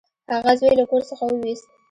هغه زوی له کور څخه وویست.